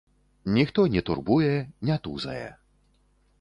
Ніхто не турбуе, не тузае.